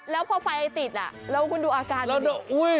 แล้วพอไฟติดอ่ะแล้วคุณดูอาการ